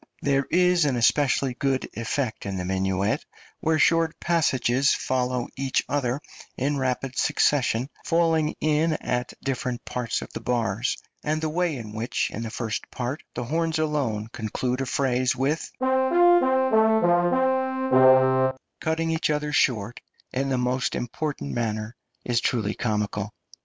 There is an especially good effect in the minuet where short passages follow each other in rapid succession, falling in at different parts of the bars, and the way in which in the first part the horns alone conclude a phrase with [See Page Image] cutting each other short in the most impatient manner, is truly comical.